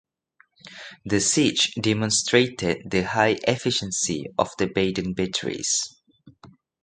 The siege demonstrated the high efficiency of the Baden batteries.